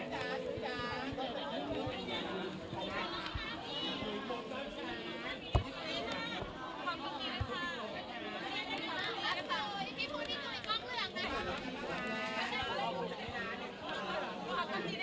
ติดต่อด้วยค่ะ